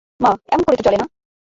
মা, এমন করে তো চলে না।